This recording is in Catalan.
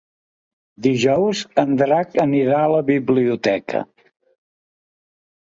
Dijous en Drac irà a la biblioteca.